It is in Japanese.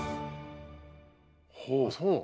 ほうそう。